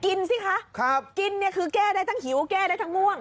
สิคะกินเนี่ยคือแก้ได้ทั้งหิวแก้ได้ทั้งง่วง